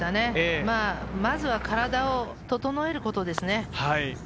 まずは体を整えることですね。